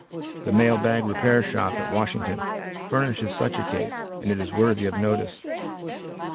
The Mail Bag Repair Shop at Washington furnishes such a case and it is worthy of notice.